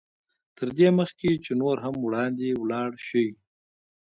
تر دې مخکې چې نور هم وړاندې ولاړ شئ.